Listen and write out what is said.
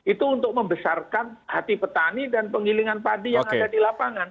itu untuk membesarkan hati petani dan penggilingan padi yang ada di lapangan